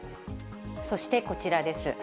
そしてこちらです。